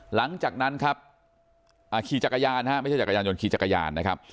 หลังจากนั้นครับขี่จักรยานฮะไม่ใช่จักรยานยนต์ขี่จักรยานนะครับ